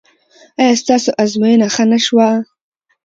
ایا ستاسو ازموینه ښه نه شوه؟